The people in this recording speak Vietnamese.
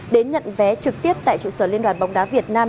đến nhận vé trực tiếp tại trụ sở liên đoàn bóng đá việt nam